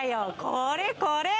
これこれ。